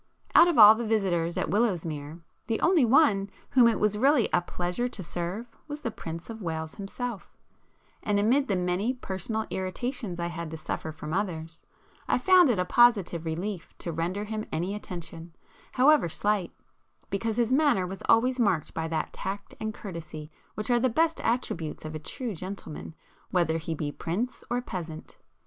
Out of all the visitors at Willowsmere the only one whom it was really a pleasure to serve was the Prince of Wales himself,—and amid the many personal irritations I had to suffer from others, I found it a positive relief to render him any attention, however slight, because his manner was always marked by that tact and courtesy which are the best attributes of a true gentleman whether he be prince or peasant.